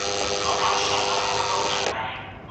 غره ختنه ډېر خوندور ورزش دی.